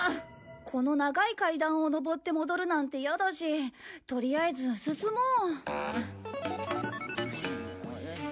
この長い階段を上って戻るなんて嫌だしとりあえず進もう。